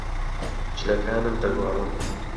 جلەکانم دەگۆڕم.